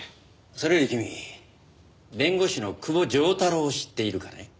それより君弁護士の久保丈太郎を知っているかね？